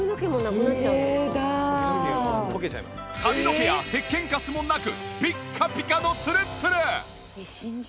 髪の毛やせっけんカスもなくピッカピカのツルツル！